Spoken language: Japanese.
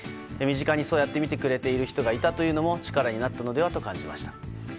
身近にそうやって見てくれている人がいたのも力になったのではと感じました。